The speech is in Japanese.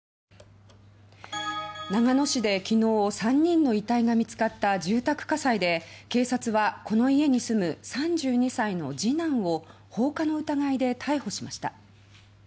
長野市で昨日を３人の遺体が見つかった住宅火災で警察はこの家に住む３２歳の次男を放火の疑いで逮捕しました。